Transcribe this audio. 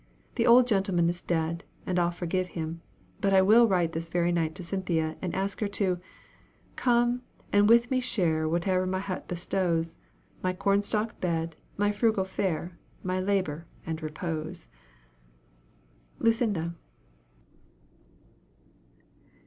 The old gentleman is dead, and I'll forgive him; but I will write this very night to Cynthia, and ask her to 'come, and with me share Whate'er my hut bestows; My cornstalk bed, my frugal fare, My labor and repose.'" LUCINDA.